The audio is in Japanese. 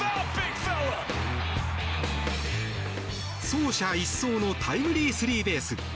走者一掃のタイムリースリーベース。